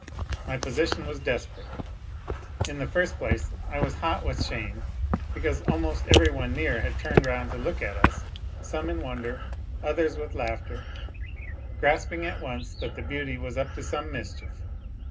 My position was desperate. In the first place I was hot with shame, because almost every one near had turned round to look at us, some in wonder, others with laughter, grasping at once that the beauty was up to some mis chief.